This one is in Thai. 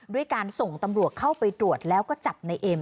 ด้วยการส่งตำรวจเข้าไปตรวจแล้วก็จับในเอ็ม